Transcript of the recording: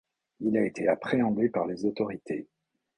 Il a été appréhendé par les autorités.